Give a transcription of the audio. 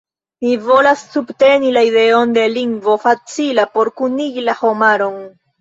Mi volas subteni la ideon de lingvo facila por kunigi la homaron.